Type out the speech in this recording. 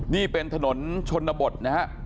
นี่เป็นถนนชนบทนะฮะ